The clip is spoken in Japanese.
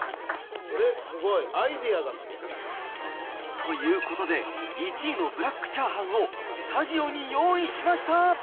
これすごい、アイデアがすごい。ということで、１位のブラックチャーハンをスタジオに用意しました。